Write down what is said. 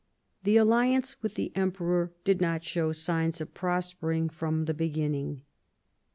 The alliance with the Emperor did not show signs of prospering from the beginning.